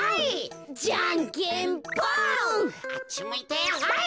あっちむいてホイ！